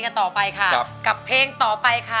อันดับนี้เป็นแบบนี้